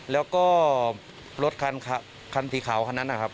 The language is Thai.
แล้วก็รถคันสีขาวคันนั้นนะครับ